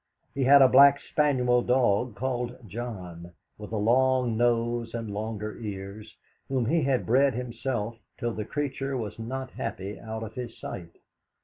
He had a black spaniel dog called John, with a long nose and longer ears, whom he had bred himself till the creature was not happy out of his sight.